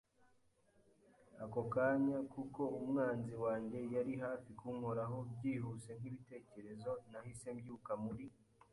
ako kanya, kuko umwanzi wanjye yari hafi kunkoraho. Byihuse nkibitekerezo, nahise mbyuka muri